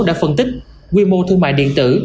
đã phân tích quy mô thương mại điện tử